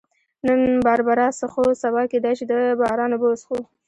نن باربرا څښو، سبا کېدای شي د باران اوبه وڅښو.